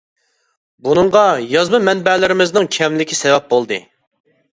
بۇنىڭغا يازما مەنبەلىرىمىزنىڭ كەملىكى سەۋەب بولدى.